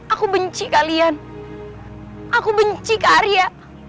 aku benci kalian aku benci kak arya